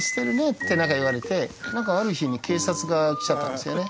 って何か言われて何かある日に警察が来ちゃったんですよね